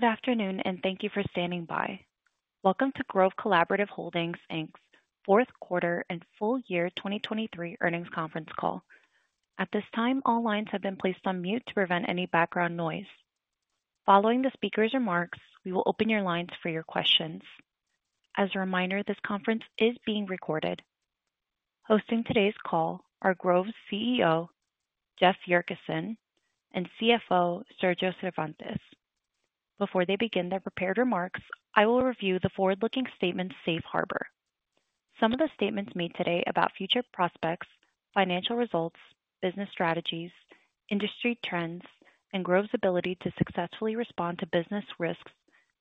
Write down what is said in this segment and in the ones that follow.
Good afternoon and thank you for standing by. Welcome to Grove Collaborative Holdings, Inc.'s fourth quarter and full year 2023 earnings conference call. At this time, all lines have been placed on mute to prevent any background noise. Following the speaker's remarks, we will open your lines for your questions. As a reminder, this conference is being recorded. Hosting today's call are Grove's CEO, Jeff Yurcisin, and CFO, Sergio Cervantes. Before they begin their prepared remarks, I will review the forward-looking statements safe harbor. Some of the statements made today about future prospects, financial results, business strategies, industry trends, and Grove's ability to successfully respond to business risks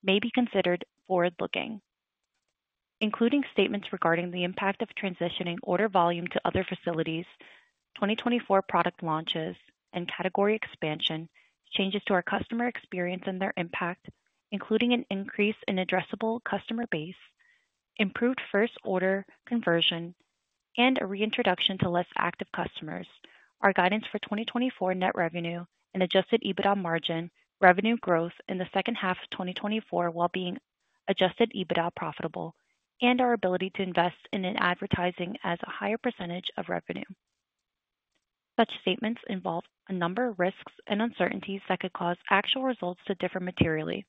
may be considered forward-looking. Including statements regarding the impact of transitioning order volume to other facilities, 2024 product launches, and category expansion, changes to our customer experience and their impact, including an increase in addressable customer base, improved first-order conversion, and a reintroduction to less active customers, are guidance for 2024 net revenue and Adjusted EBITDA margin, revenue growth in the second half of 2024 while being Adjusted EBITDA profitable, and our ability to invest in advertising as a higher percentage of revenue. Such statements involve a number of risks and uncertainties that could cause actual results to differ materially.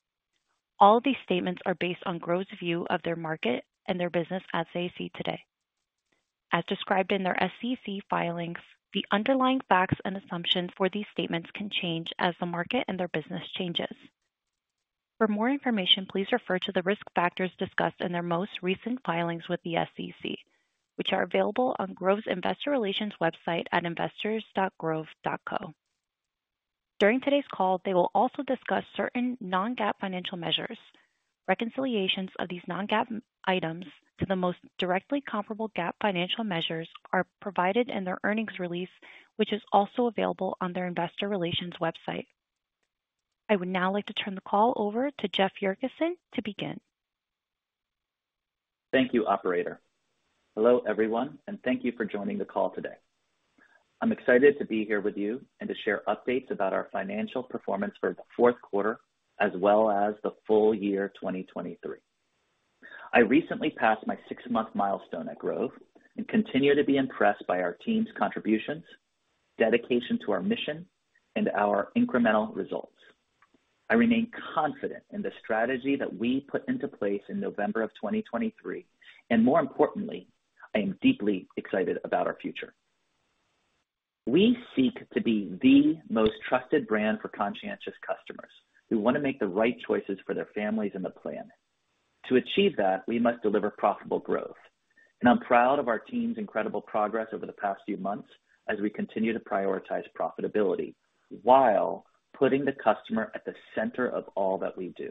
All of these statements are based on Grove's view of their market and their business as they see today. As described in their SEC filings, the underlying facts and assumptions for these statements can change as the market and their business changes. For more information, please refer to the risk factors discussed in their most recent filings with the SEC, which are available on Grove's investor relations website at investors.grove.co. During today's call, they will also discuss certain non-GAAP financial measures. Reconciliations of these non-GAAP items to the most directly comparable GAAP financial measures are provided in their earnings release, which is also available on their investor relations website. I would now like to turn the call over to Jeff Yurcisin to begin. Thank you, operator. Hello everyone, and thank you for joining the call today. I'm excited to be here with you and to share updates about our financial performance for the fourth quarter as well as the full year 2023. I recently passed my six-month milestone at Grove and continue to be impressed by our team's contributions, dedication to our mission, and our incremental results. I remain confident in the strategy that we put into place in November of 2023, and more importantly, I am deeply excited about our future. We seek to be the most trusted brand for conscientious customers who want to make the right choices for their families and the planet. To achieve that, we must deliver profitable growth, and I'm proud of our team's incredible progress over the past few months as we continue to prioritize profitability while putting the customer at the center of all that we do.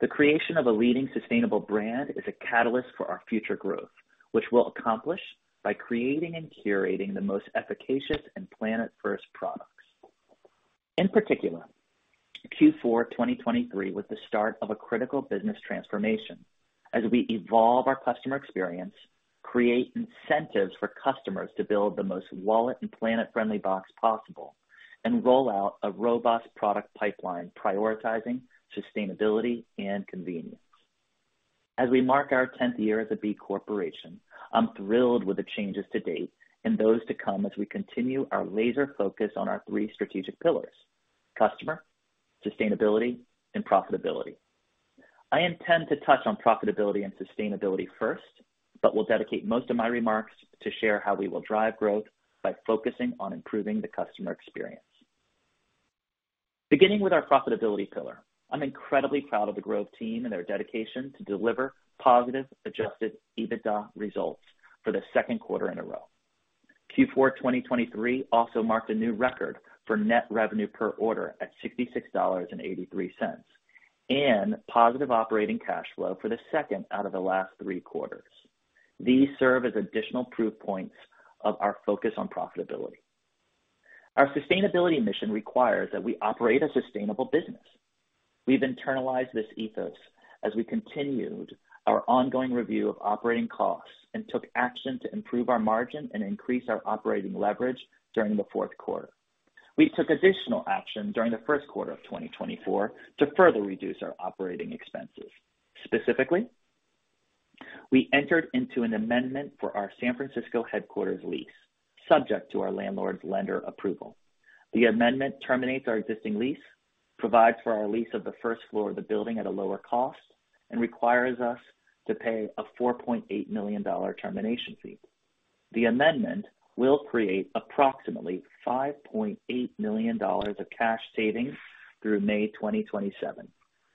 The creation of a leading sustainable brand is a catalyst for our future growth, which we'll accomplish by creating and curating the most efficacious and planet-first products. In particular, Q4 2023 was the start of a critical business transformation as we evolve our customer experience, create incentives for customers to build the most wallet and planet-friendly box possible, and roll out a robust product pipeline prioritizing sustainability and convenience. As we mark our 10th year as a B Corporation, I'm thrilled with the changes to date and those to come as we continue our laser focus on our three strategic pillars: customer, sustainability, and profitability. I intend to touch on profitability and sustainability first, but will dedicate most of my remarks to share how we will drive growth by focusing on improving the customer experience. Beginning with our profitability pillar, I'm incredibly proud of the Grove team and their dedication to deliver positive Adjusted EBITDA results for the second quarter in a row. Q4 2023 also marked a new record for net revenue per order at $66.83 and positive operating cash flow for the second out of the last three quarters. These serve as additional proof points of our focus on profitability. Our sustainability mission requires that we operate a sustainable business. We've internalized this ethos as we continued our ongoing review of operating costs and took action to improve our margin and increase our operating leverage during the fourth quarter. We took additional action during the first quarter of 2024 to further reduce our operating expenses. Specifically, we entered into an amendment for our San Francisco headquarters lease, subject to our landlord's lender approval. The amendment terminates our existing lease, provides for our lease of the first floor of the building at a lower cost, and requires us to pay a $4.8 million termination fee. The amendment will create approximately $5.8 million of cash savings through May 2027,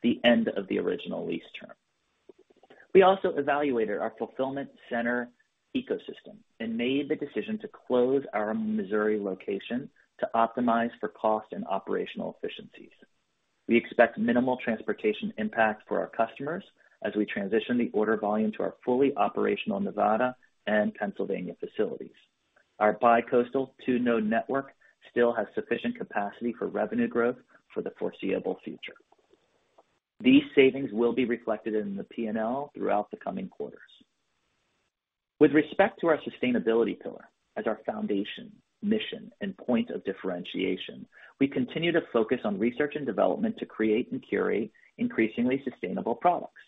the end of the original lease term. We also evaluated our fulfillment center ecosystem and made the decision to close our Missouri location to optimize for cost and operational efficiencies. We expect minimal transportation impact for our customers as we transition the order volume to our fully operational Nevada and Pennsylvania facilities. Our bi-coastal two-node network still has sufficient capacity for revenue growth for the foreseeable future. These savings will be reflected in the P&L throughout the coming quarters. With respect to our sustainability pillar as our foundation, mission, and point of differentiation, we continue to focus on research and development to create and curate increasingly sustainable products,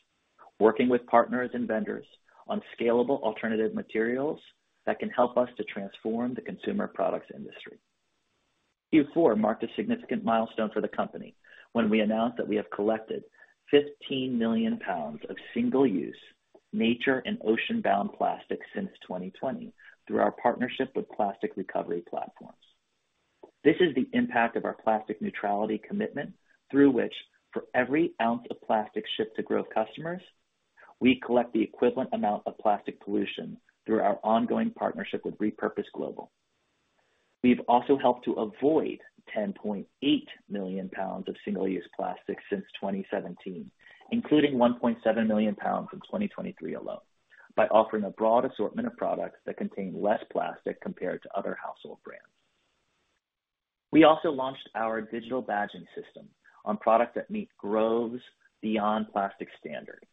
working with partners and vendors on scalable alternative materials that can help us to transform the consumer products industry. Q4 marked a significant milestone for the company when we announced that we have collected 15 million lbs of single-use nature and ocean-bound plastic since 2020 through our partnership with plastic recovery platforms. This is the impact of our Plastic Neutrality commitment through which, for every ounce of plastic shipped to Grove customers, we collect the equivalent amount of plastic pollution through our ongoing partnership with rePurpose Global. We've also helped to avoid 10.8 million lbs of single-use plastic since 2017, including 1.7 million lbs in 2023 alone, by offering a broad assortment of products that contain less plastic compared to other household brands. We also launched our digital badging system on products that meet Grove's Beyond Plastic standard.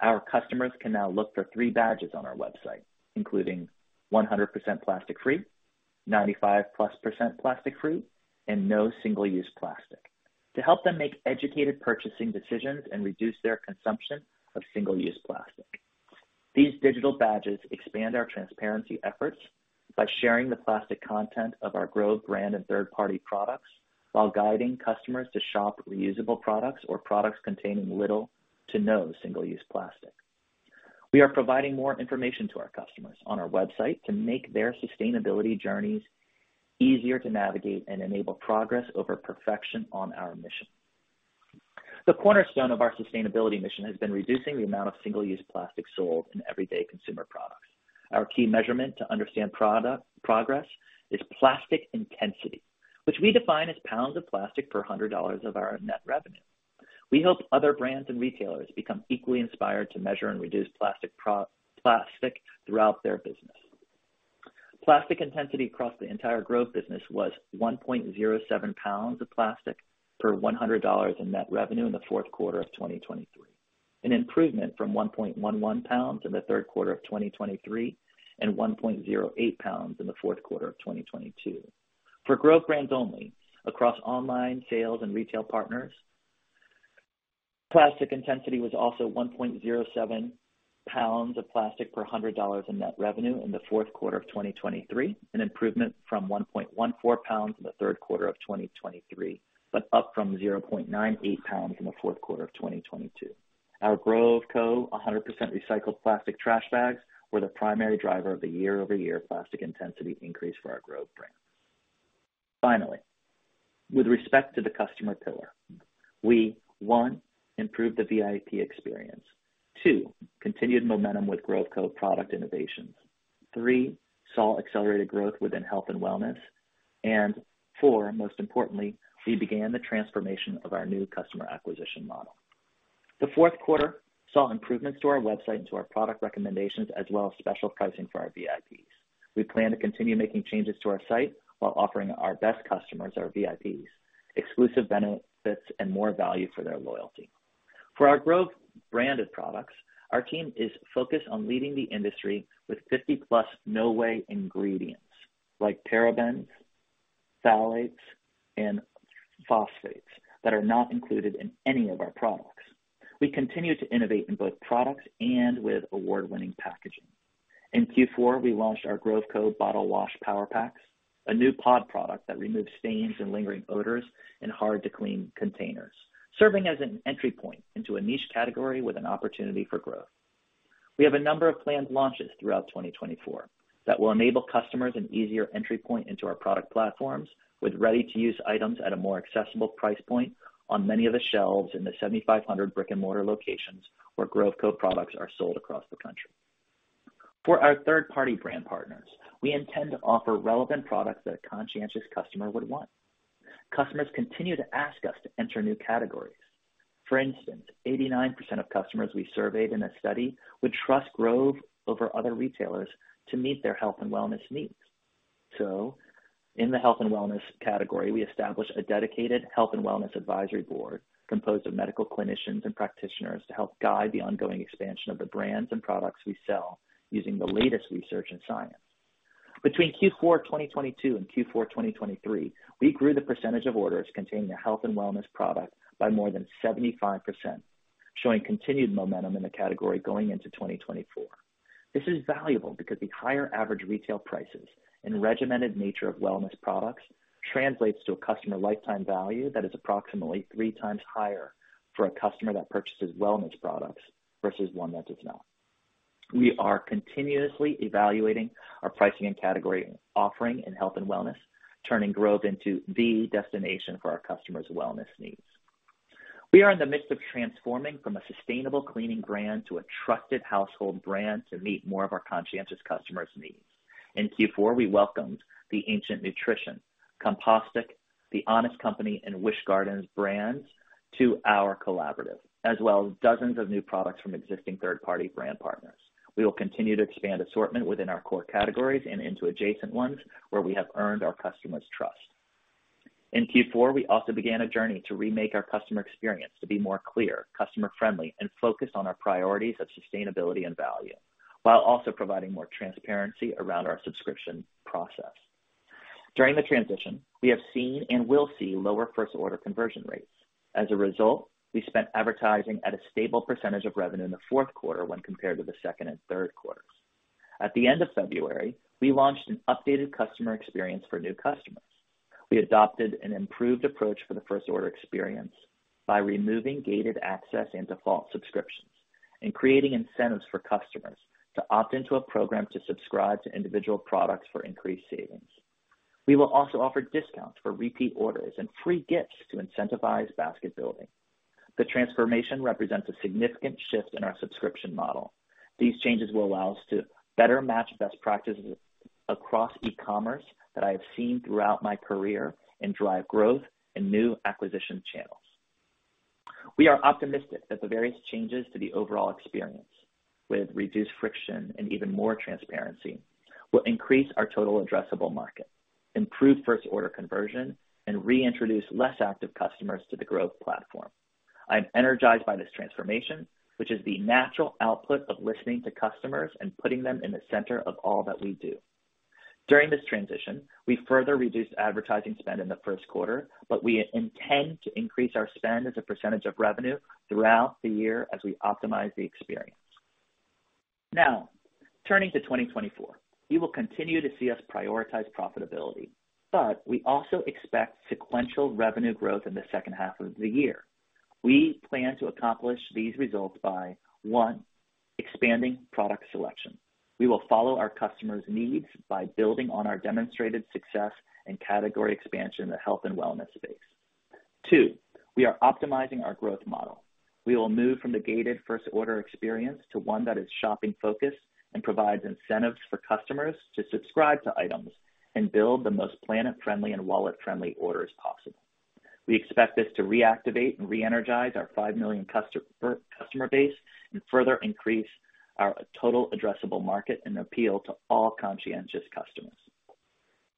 Our customers can now look for three badges on our website, including 100% Plastic Free, 95+% Plastic Free, and No Single-Use Plastic, to help them make educated purchasing decisions and reduce their consumption of single-use plastic. These digital badges expand our transparency efforts by sharing the plastic content of our Grove brand and third-party products while guiding customers to shop reusable products or products containing little to no single-use plastic. We are providing more information to our customers on our website to make their sustainability journeys easier to navigate and enable progress over perfection on our mission. The cornerstone of our sustainability mission has been reducing the amount of single-use plastic sold in everyday consumer products. Our key measurement to understand progress is plastic intensity, which we define as pounds of plastic per $100 of our net revenue. We hope other brands and retailers become equally inspired to measure and reduce plastic throughout their business. Plastic intensity across the entire Grove business was 1.07 lbs of plastic per $100 in net revenue in the fourth quarter of 2023, an improvement from 1.11 lbs in the third quarter of 2023 and 1.08 lbs in the fourth quarter of 2022. For Grove brands only, across online sales and retail partners, plastic intensity was also 1.07 lbs of plastic per $100 in net revenue in the fourth quarter of 2023, an improvement from 1.14 lbs in the third quarter of 2023, but up from 0.98 lbs in the fourth quarter of 2022. Our Grove Co. 100% recycled plastic trash bags were the primary driver of the year-over-year plastic intensity increase for our Grove brand. Finally, with respect to the customer pillar, we, one, improved the VIP Experience; two, continued momentum with Grove Co. product innovations; three, saw accelerated growth within health and wellness; and four, most importantly, we began the transformation of our new customer acquisition model. The fourth quarter saw improvements to our website and to our product recommendations as well as special pricing for our VIPs. We plan to continue making changes to our site while offering our best customers, our VIPs, exclusive benefits and more value for their loyalty. For our Grove branded products, our team is focused on leading the industry with 50+ No Way ingredients like parabens, phthalates, and phosphates that are not included in any of our products. We continue to innovate in both products and with award-winning packaging. In Q4, we launched our Grove Co. Bottle Wash Power Packs, a new pod product that removes stains and lingering odors in hard-to-clean containers, serving as an entry point into a niche category with an opportunity for growth. We have a number of planned launches throughout 2024 that will enable customers an easier entry point into our product platforms with ready-to-use items at a more accessible price point on many of the shelves in the 7,500 brick-and-mortar locations where Grove Co. products are sold across the country. For our third-party brand partners, we intend to offer relevant products that a conscientious customer would want. Customers continue to ask us to enter new categories. For instance, 89% of customers we surveyed in a study would trust Grove over other retailers to meet their health and wellness needs. So in the health and wellness category, we established a dedicated health and wellness advisory board composed of medical clinicians and practitioners to help guide the ongoing expansion of the brands and products we sell using the latest research and science. Between Q4 2022 and Q4 2023, we grew the percentage of orders containing a health and wellness product by more than 75%, showing continued momentum in the category going into 2024. This is valuable because the higher average retail prices and regimented nature of wellness products translates to a customer lifetime value that is approximately three times higher for a customer that purchases wellness products versus one that does not. We are continuously evaluating our pricing and category offering in health and wellness, turning Grove into the destination for our customers' wellness needs. We are in the midst of transforming from a sustainable cleaning brand to a trusted household brand to meet more of our conscientious customers' needs. In Q4, we welcomed the Ancient Nutrition, Compostic, The Honest Company, and WishGardens brands to our collaborative, as well as dozens of new products from existing third-party brand partners. We will continue to expand assortment within our core categories and into adjacent ones where we have earned our customers' trust. In Q4, we also began a journey to remake our customer experience to be more clear, customer-friendly, and focused on our priorities of sustainability and value while also providing more transparency around our subscription process. During the transition, we have seen and will see lower first-order conversion rates. As a result, we spent advertising at a stable percentage of revenue in the fourth quarter when compared to the second and third quarters. At the end of February, we launched an updated customer experience for new customers. We adopted an improved approach for the first-order experience by removing gated access and default subscriptions and creating incentives for customers to opt into a program to subscribe to individual products for increased savings. We will also offer discounts for repeat orders and free gifts to incentivize basket building. The transformation represents a significant shift in our subscription model. These changes will allow us to better match best practices across e-commerce that I have seen throughout my career and drive growth in new acquisition channels. We are optimistic that the various changes to the overall experience, with reduced friction and even more transparency, will increase our total addressable market, improve first-order conversion, and reintroduce less active customers to the Grove platform. I am energized by this transformation, which is the natural output of listening to customers and putting them in the center of all that we do. During this transition, we further reduced advertising spend in the first quarter, but we intend to increase our spend as a percentage of revenue throughout the year as we optimize the experience. Now, turning to 2024, you will continue to see us prioritize profitability, but we also expect sequential revenue growth in the second half of the year. We plan to accomplish these results by, one, expanding product selection. We will follow our customers' needs by building on our demonstrated success in category expansion in the health and wellness space. Two, we are optimizing our growth model. We will move from the gated first-order experience to one that is shopping-focused and provides incentives for customers to subscribe to items and build the most planet-friendly and wallet-friendly orders possible. We expect this to reactivate and reenergize our 5 million customer base and further increase our total addressable market and appeal to all conscientious customers.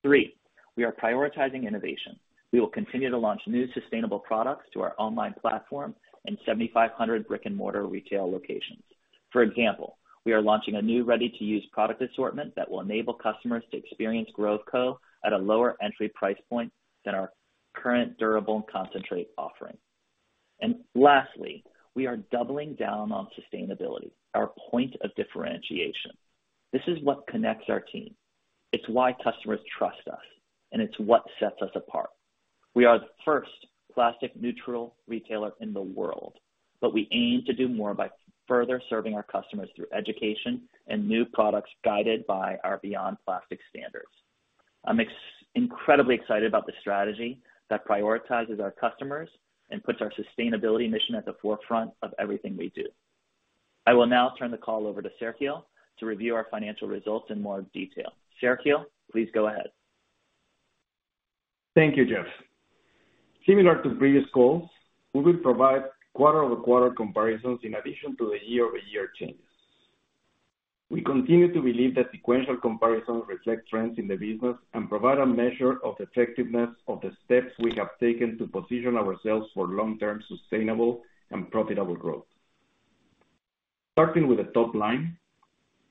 Three, we are prioritizing innovation. We will continue to launch new sustainable products to our online platform and 7,500 brick-and-mortar retail locations. For example, we are launching a new ready-to-use product assortment that will enable customers to experience Grove Co. at a lower entry price point than our current durable concentrate offering. And lastly, we are doubling down on sustainability, our point of differentiation. This is what connects our team. It's why customers trust us, and it's what sets us apart. We are the first plastic-neutral retailer in the world, but we aim to do more by further serving our customers through education and new products guided by our Beyond Plastic standards. I'm incredibly excited about the strategy that prioritizes our customers and puts our sustainability mission at the forefront of everything we do. I will now turn the call over to Sergio to review our financial results in more detail. Sergio, please go ahead. Thank you, Jeff. Similar to previous calls, we will provide quarter-over-quarter comparisons in addition to the year-over-year changes. We continue to believe that sequential comparisons reflect trends in the business and provide a measure of effectiveness of the steps we have taken to position ourselves for long-term sustainable and profitable growth. Starting with the top line,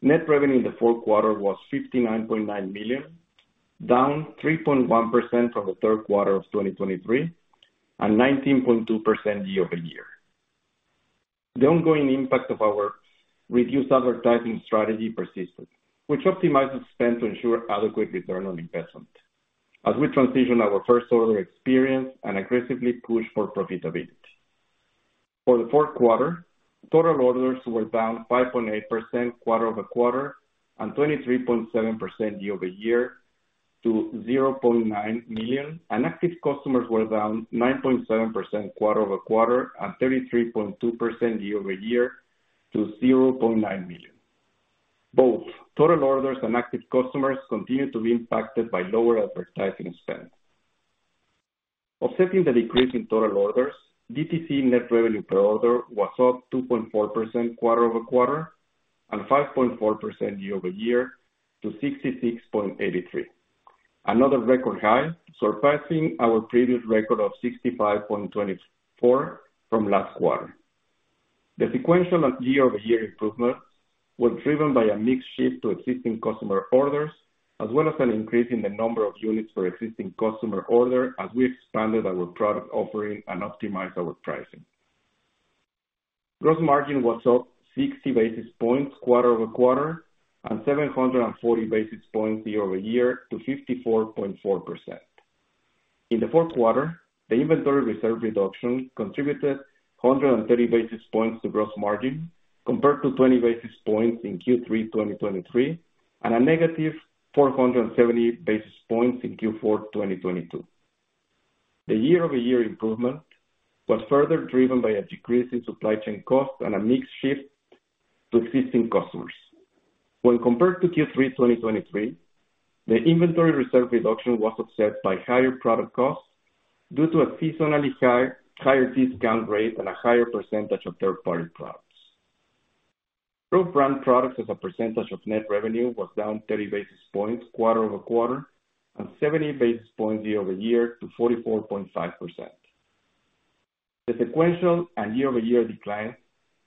net revenue in the fourth quarter was $59.9 million, down 3.1% from the third quarter of 2023 and 19.2% year over year. The ongoing impact of our reduced advertising strategy persisted, which optimizes spend to ensure adequate return on investment as we transition our first-order experience and aggressively push for profitability. For the fourth quarter, total orders were down 5.8% quarter-over-quarter and 23.7% year over year to 0.9 million, and active customers were down 9.7% quarter-over-quarter and 33.2% year over year to 0.9 million. Both total orders and active customers continue to be impacted by lower advertising spend. Offsetting the decrease in total orders, DTC net revenue per order was up 2.4% quarter-over-quarter and 5.4% year-over-year to 66.83, another record high surpassing our previous record of 65.24 from last quarter. The sequential year-over-year improvements were driven by a mixed shift to existing customer orders as well as an increase in the number of units for existing customer order as we expanded our product offering and optimized our pricing. Gross margin was up 60 basis points quarter-over-quarter and 740 basis points year-over-year to 54.4%. In the fourth quarter, the inventory reserve reduction contributed 130 basis points to gross margin compared to 20 basis points in Q3 2023 and a negative 470 basis points in Q4 2022. The year-over-year improvement was further driven by a decrease in supply chain costs and a mixed shift to existing customers. When compared to Q3 2023, the inventory reserve reduction was offset by higher product costs due to a seasonally higher discount rate and a higher percentage of third-party products. Grove brand products, as a percentage of net revenue, was down 30 basis points quarter-over-quarter and 70 basis points year-over-year to 44.5%. The sequential and year-over-year declines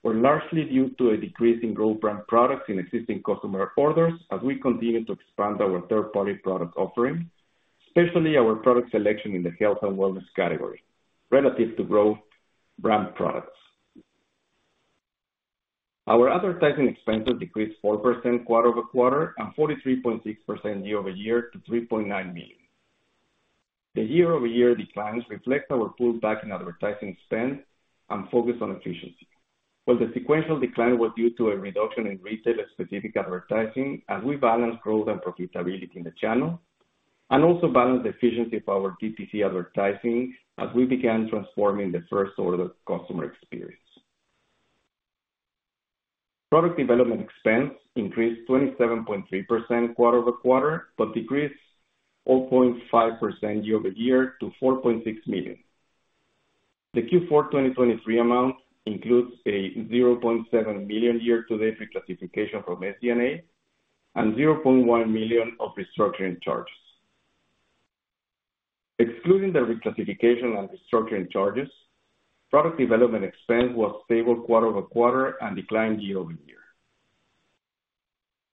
were largely due to a decrease in Grove brand products in existing customer orders as we continue to expand our third-party product offering, especially our product selection in the health and wellness category relative to Grove brand products. Our advertising expenses decreased 4% quarter-over-quarter and 43.6% year-over-year to $3.9 million. The year-over-year declines reflect our pullback in advertising spend and focus on efficiency. Well, the sequential decline was due to a reduction in retailer-specific advertising as we balanced growth and profitability in the channel and also balanced the efficiency of our DTC advertising as we began transforming the first-order customer experience. Product development expense increased 27.3% quarter-over-quarter but decreased 0.5% year-over-year to $4.6 million. The Q4 2023 amount includes a $0.7 million year-to-date reclassification from SG&A and $0.1 million of restructuring charges. Excluding the reclassification and restructuring charges, product development expense was stable quarter-over-quarter and declined year-over-year.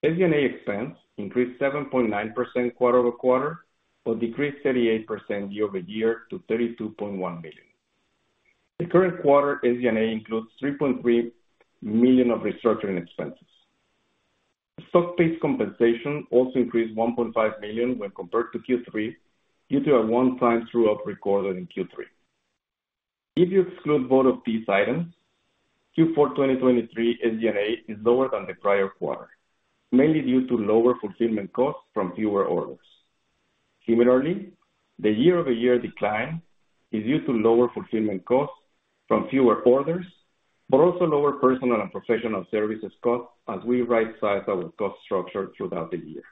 SG&A expense increased 7.9% quarter-over-quarter but decreased 38% year-over-year to $32.1 million. The current quarter, SG&A includes $3.3 million of restructuring expenses. Stock-based compensation also increased $1.5 million when compared to Q3 due to a one-time true-up recorded in Q3. If you exclude both of these items, Q4 2023 SG&A is lower than the prior quarter, mainly due to lower fulfillment costs from fewer orders. Similarly, the year-over-year decline is due to lower fulfillment costs from fewer orders but also lower personnel and professional services costs as we right-size our cost structure throughout the year.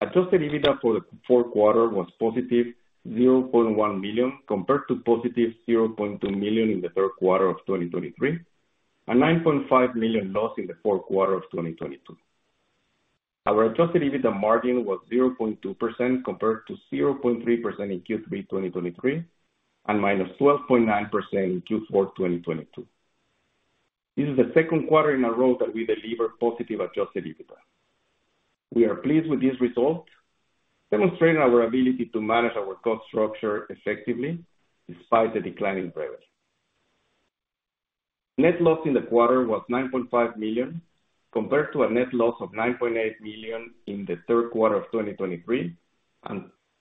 Adjusted EBITDA for the fourth quarter was +$0.1 million compared to +$0.2 million in the third quarter of 2023 and $9.5 million loss in the fourth quarter of 2022. Our adjusted EBITDA margin was 0.2% compared to 0.3% in Q3 2023 and -12.9% in Q4 2022. This is the second quarter in a row that we deliver positive adjusted EBITDA. We are pleased with these results demonstrating our ability to manage our cost structure effectively despite the declining revenue. Net loss in the quarter was $9.5 million compared to a net loss of $9.8 million in the third quarter of 2023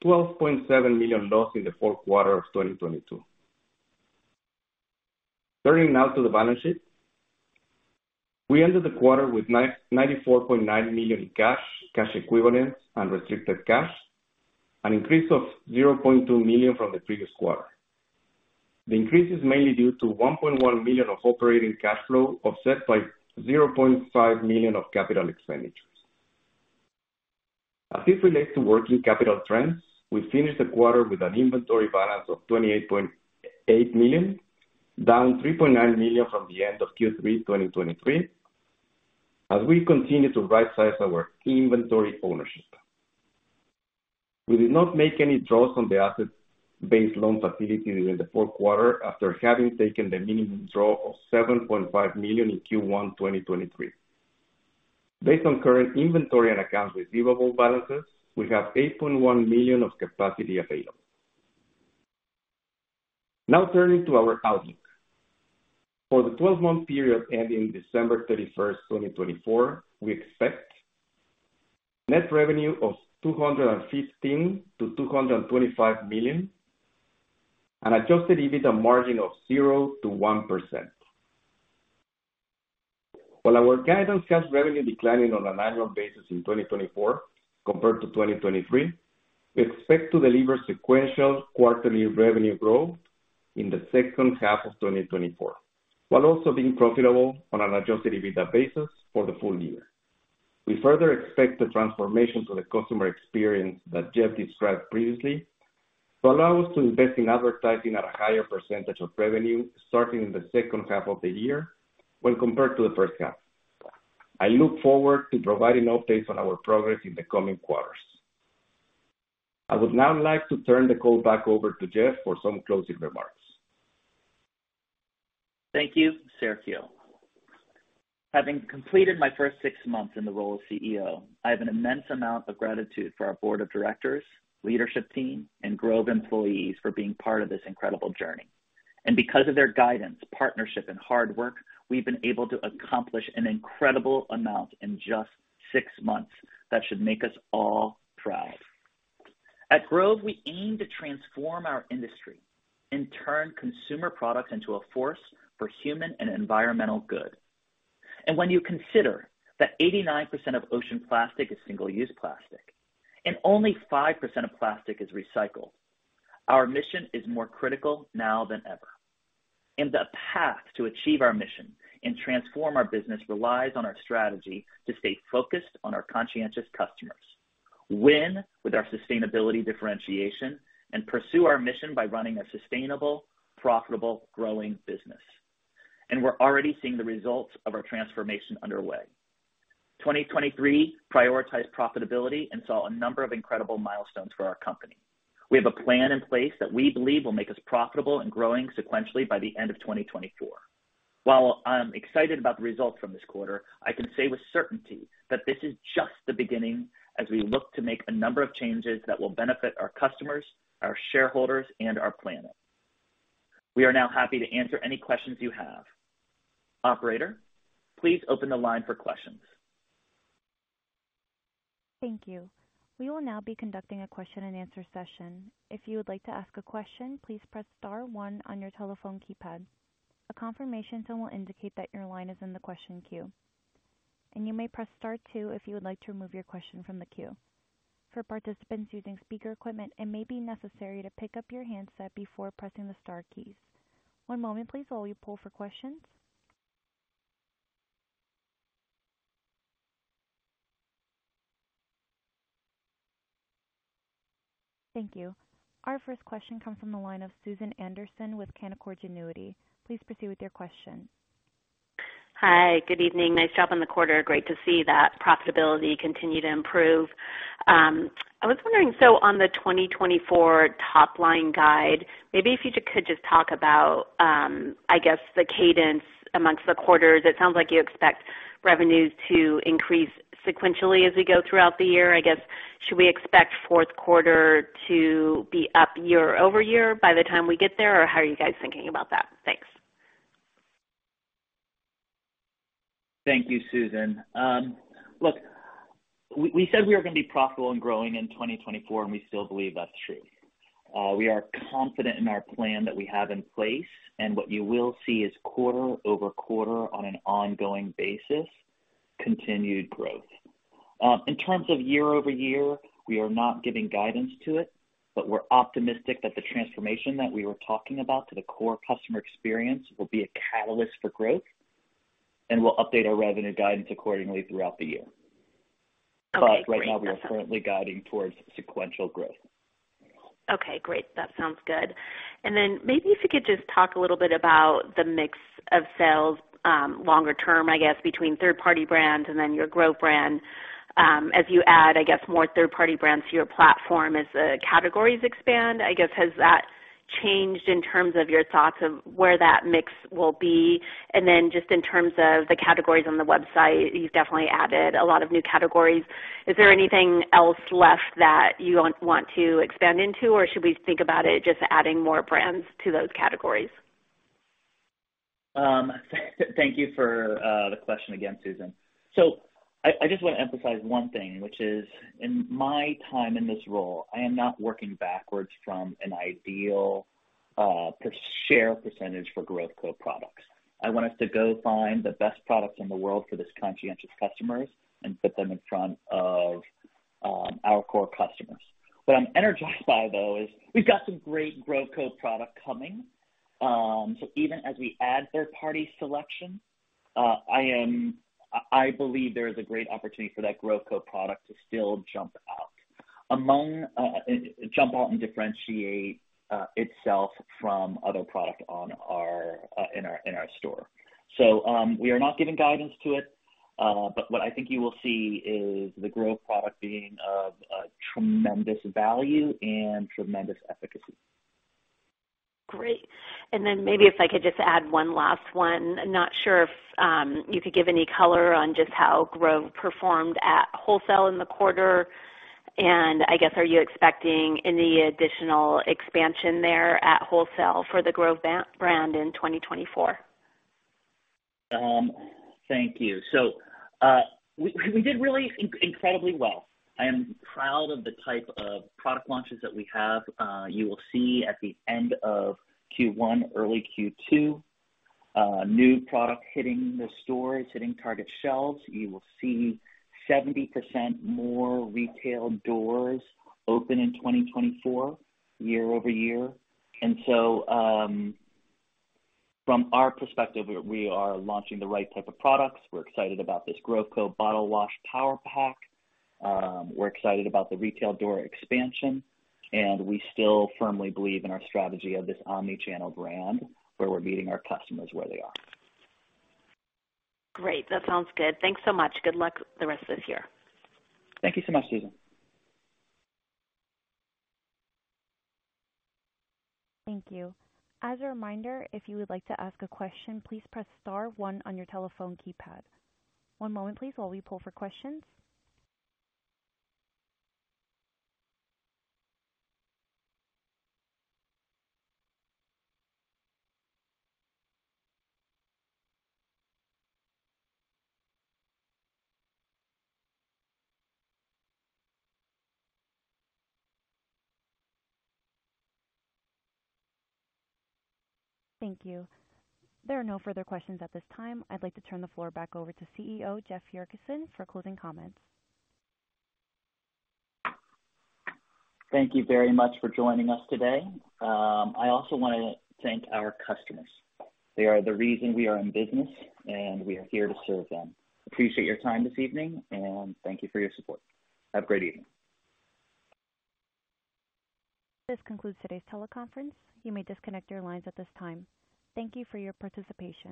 and $12.7 million loss in the fourth quarter of 2022. Turning now to the balance sheet, we ended the quarter with $94.9 million cash, cash equivalents, and restricted cash, an increase of $0.2 million from the previous quarter. The increase is mainly due to $1.1 million of operating cash flow offset by $0.5 million of capital expenditures. As it relates to working capital trends, we finished the quarter with an inventory balance of $28.8 million, down $3.9 million from the end of Q3 2023 as we continue to right-size our inventory ownership. We did not make any draws on the asset-based loan facility during the fourth quarter after having taken the minimum draw of $7.5 million in Q1 2023. Based on current inventory and accounts receivable balances, we have 8.1 million of capacity available. Now turning to our outlook. For the 12-month period ending December 31st, 2024, we expect net revenue of $215 million-$225 million, an Adjusted EBITDA margin of 0%-1%. While our guidance has revenue declining on an annual basis in 2024 compared to 2023, we expect to deliver sequential quarterly revenue growth in the second half of 2024 while also being profitable on an Adjusted EBITDA basis for the full year. We further expect the transformation to the customer experience that Jeff described previously to allow us to invest in advertising at a higher percentage of revenue starting in the second half of the year when compared to the first half. I look forward to providing updates on our progress in the coming quarters. I would now like to turn the call back over to Jeff for some closing remarks. Thank you, Sergio. Having completed my first six months in the role of CEO, I have an immense amount of gratitude for our board of directors, leadership team, and Grove employees for being part of this incredible journey. And because of their guidance, partnership, and hard work, we've been able to accomplish an incredible amount in just six months that should make us all proud. At Grove, we aim to transform our industry and turn consumer products into a force for human and environmental good. And when you consider that 89% of ocean plastic is single-use plastic and only 5% of plastic is recycled, our mission is more critical now than ever. And the path to achieve our mission and transform our business relies on our strategy to stay focused on our conscientious customers, win with our sustainability differentiation, and pursue our mission by running a sustainable, profitable, growing business. We're already seeing the results of our transformation underway. 2023 prioritized profitability and saw a number of incredible milestones for our company. We have a plan in place that we believe will make us profitable and growing sequentially by the end of 2024. While I'm excited about the results from this quarter, I can say with certainty that this is just the beginning as we look to make a number of changes that will benefit our customers, our shareholders, and our planet. We are now happy to answer any questions you have. Operator, please open the line for questions. Thank you. We will now be conducting a question-and-answer session. If you would like to ask a question, please press star one on your telephone keypad. A confirmation tone will indicate that your line is in the question queue. You may press star two if you would like to remove your question from the queue. For participants using speaker equipment, it may be necessary to pick up your handset before pressing the star keys. One moment, please, while we pull for questions. Thank you. Our first question comes from the line of Susan Anderson with Canaccord Genuity. Please proceed with your question. Hi. Good evening. Nice job on the quarter. Great to see that profitability continue to improve. I was wondering, so on the 2024 top-line guide, maybe if you could just talk about, I guess, the cadence amongst the quarters. It sounds like you expect revenues to increase sequentially as we go throughout the year. I guess, should we expect fourth quarter to be up year-over-year by the time we get there, or how are you guys thinking about that? Thanks. Thank you, Susan. Look, we said we were going to be profitable and growing in 2024, and we still believe that's true. We are confident in our plan that we have in place, and what you will see is quarter-over-quarter on an ongoing basis, continued growth. In terms of year-over-year, we are not giving guidance to it, but we're optimistic that the transformation that we were talking about to the core customer experience will be a catalyst for growth and will update our revenue guidance accordingly throughout the year. But right now, we are currently guiding towards sequential growth. Okay. Great. That sounds good. And then maybe if you could just talk a little bit about the mix of sales longer term, I guess, between third-party brands and then your Grove brand. As you add, I guess, more third-party brands to your platform as the categories expand, I guess, has that changed in terms of your thoughts of where that mix will be? And then just in terms of the categories on the website, you've definitely added a lot of new categories. Is there anything else left that you want to expand into, or should we think about it just adding more brands to those categories? Thank you for the question again, Susan. So I just want to emphasize one thing, which is, in my time in this role, I am not working backwards from an ideal share percentage for Grove Co. products. I want us to go find the best products in the world for this conscientious customers and put them in front of our core customers. What I'm energized by, though, is we've got some great Grove Co. product coming. So even as we add third-party selection, I believe there is a great opportunity for that Grove Co. product to still jump out and differentiate itself from other products in our store. So we are not giving guidance to it, but what I think you will see is the Grove product being of tremendous value and tremendous efficacy. Great. And then maybe if I could just add one last one. Not sure if you could give any color on just how Grove performed at wholesale in the quarter. And I guess, are you expecting any additional expansion there at wholesale for the Grove brand in 2024? Thank you. So we did really incredibly well. I am proud of the type of product launches that we have. You will see at the end of Q1, early Q2, new product hitting the stores, hitting Target shelves. You will see 70% more retail doors open in 2024 year-over-year. And so from our perspective, we are launching the right type of products. We're excited about this Grove Co. bottle wash power pack. We're excited about the retail door expansion. And we still firmly believe in our strategy of this omnichannel brand where we're meeting our customers where they are. Great. That sounds good. Thanks so much. Good luck the rest of this year. Thank you so much, Susan. Thank you. As a reminder, if you would like to ask a question, please press star one on your telephone keypad. One moment, please, while we pull for questions. Thank you. There are no further questions at this time. I'd like to turn the floor back over to CEO Jeff Yurcisin for closing comments. Thank you very much for joining us today. I also want to thank our customers. They are the reason we are in business, and we are here to serve them. Appreciate your time this evening, and thank you for your support. Have a great evening. This concludes today's teleconference. You may disconnect your lines at this time. Thank you for your participation.